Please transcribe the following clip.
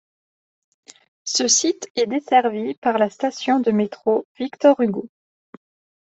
Ce site est desservi par la station de métro Victor Hugo.